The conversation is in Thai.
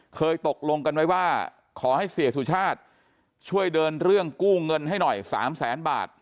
เคยตกลงกันไว้ว่าขอให้เสียสุชาติช่วยเดินเรื่องกู้เงินให้หน่อย๓แสนบาท